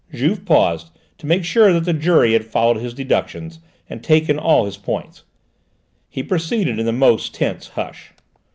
Juve paused to make sure that the jury had followed his deductions and taken all his points. He proceeded, in the most tense hush.